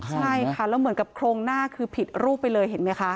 ใช่ค่ะแล้วเหมือนกับโครงหน้าคือผิดรูปไปเลยเห็นไหมคะ